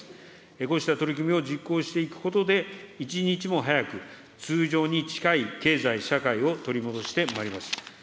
こうした取り組みを実行していくことで、一日も早く通常に近い経済社会を取り戻してまいります。